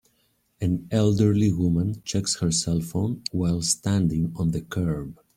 An elderly woman checks her cellphone while standing on the curb.